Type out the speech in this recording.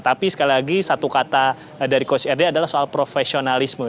tapi sekali lagi satu kata dari coach rd adalah soal profesionalisme